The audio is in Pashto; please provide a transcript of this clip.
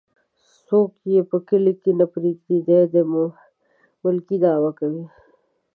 څوک يې په کلي کې نه پرېږدي ،دى د ملکۍ دعوه کوي.